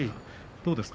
どうですか？